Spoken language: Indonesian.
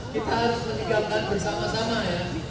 kita harus meninggalkan bersama sama ya